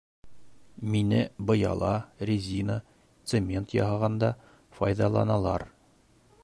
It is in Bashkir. Мине быяла, резина, цемент яһағанда файҙаланалар.